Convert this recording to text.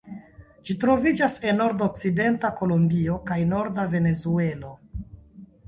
Ĝi troviĝas en nordokcidenta Kolombio kaj norda Venezuelo.